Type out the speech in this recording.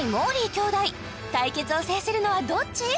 兄弟対決を制するのはどっち？